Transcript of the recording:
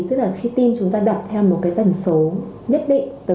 tức là khi tin chúng ta đập theo một cái tần số nhất định